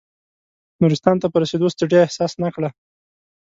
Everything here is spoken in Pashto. نورستان ته په رسېدو ستړیا احساس نه کړه.